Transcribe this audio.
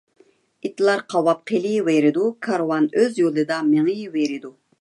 ئىتلار قاۋاپ قېلىۋېرىدۇ، كارۋان ئۆز يولىدا مېڭىۋېرىدۇ.